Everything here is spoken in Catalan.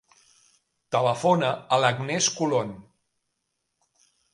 Telefona a l'Agnès Colon.